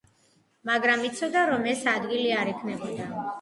მაგრამ იცოდა, რომ ეს ადვილი არ იქნებოდა.